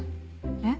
えっ？